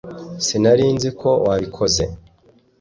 sinari nzi ko wabikoze